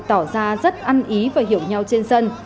tỏ ra rất ăn ý và hiểu nhau trên sân